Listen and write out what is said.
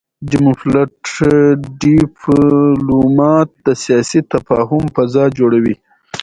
ډيپلومات د سیاسي تفاهم فضا جوړوي.